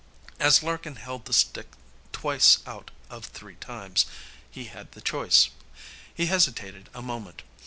As Larkin held the stick twice out of three times, he had the choice. He hesitated a moment.